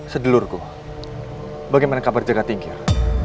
sedulurku bagaimana kabar jaga tingkir